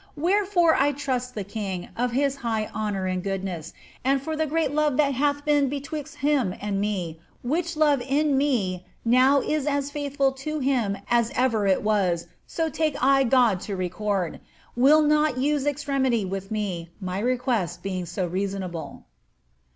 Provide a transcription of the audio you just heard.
Wherefore I tnist the king, of his high honour and goothiess, and for the g^eat love that hath been betwixt him and me (which love in me now is as faithful to him as ever it was, so take I God to record !), will not use extremity with me, my request being so reasonable."